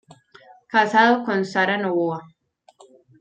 Casado con "Sara Novoa".